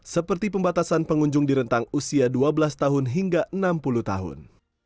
seperti pembatasan pengunjung di rentang usia dua belas tahun hingga enam puluh tahun